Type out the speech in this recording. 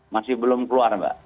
masih belum keluar mbak